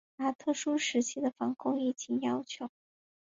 把特殊时期的防控疫情要求